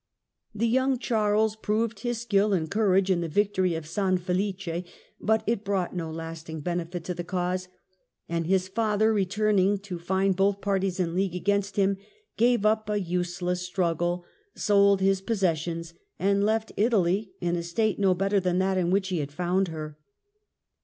The young Charles proved his skill and courage in the victory of San Felice, but it brought no lasting benefit to the cause, and his father returning to find both parties in league against him, gave up a useless struggle, sold his possessions, and left Italy in a state no better than that in which he had found her.